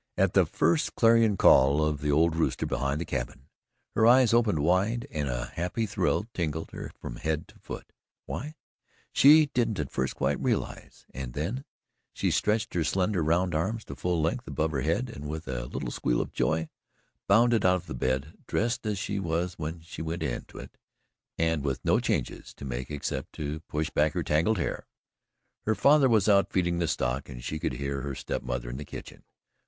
At the first clarion call of the old rooster behind the cabin, her eyes opened wide and a happy thrill tingled her from head to foot why, she didn't at first quite realize and then she stretched her slender round arms to full length above her head and with a little squeal of joy bounded out of the bed, dressed as she was when she went into it, and with no changes to make except to push back her tangled hair. Her father was out feeding the stock and she could hear her step mother in the kitchen.